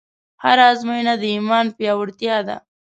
هره ازموینه د ایمان پیاوړتیا ده.